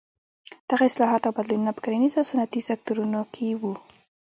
دغه اصلاحات او بدلونونه په کرنیز او صنعتي سکتورونو کې وو.